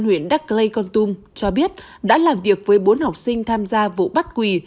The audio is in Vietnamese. huyện đắk lê con tum cho biết đã làm việc với bốn học sinh tham gia vụ bắt quỳ